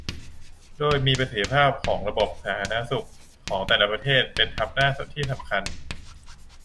โดยมีประสิทธิภาพของระบบสาธารณสุขของแต่ละประเทศเป็นทัพหน้าที่สำคัญ